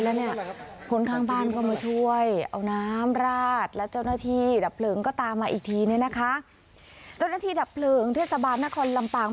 แล้วเนี่ยคนข้างบ้านก็มาช่วยเอาน้ำราดแล้วเจ้าหน้าที่ดับเปลิงก็ตามมาอีกทีนี่นะคะ